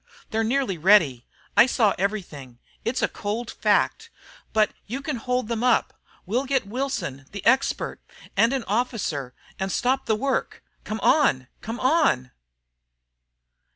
They're nearly ready. I saw everything. It's a cold fact. But you can hold them up. We'll get Wilson, the expert, and an officer, and stop the work. Come on! Come on!"